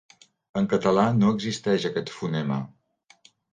En català no existeix aquest fonema.